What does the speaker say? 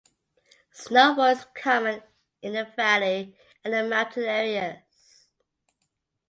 Snowfall is common in the valley and the mountain areas.